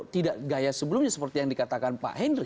tidak gaya sebelumnya seperti yang dikatakan pak hendri